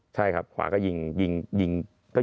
ใช่ครับขวาก็ยิงต่ำไว้